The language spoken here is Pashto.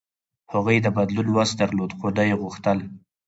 هغوی د بدلون وس درلود، خو نه یې غوښتل.